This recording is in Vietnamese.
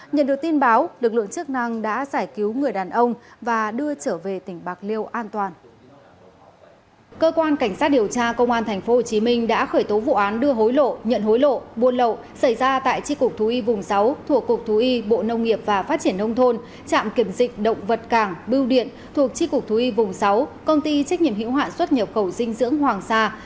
nhận được tin báo lực lượng chức năng đã giải cứu người đàn ông và đưa trở về tỉnh bạc liêu an toàn